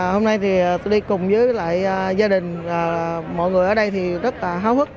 hôm nay thì tôi đi cùng với lại gia đình mọi người ở đây thì rất là háo hức